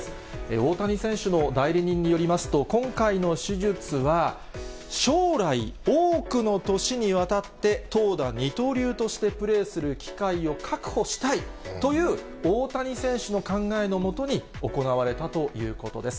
大谷選手の代理人によりますと、今回の手術は、将来、多くの年にわたって投打二刀流としてプレーする機会を確保したいという大谷選手の考えのもとに行われたということです。